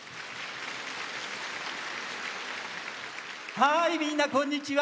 はいみんなこんにちは！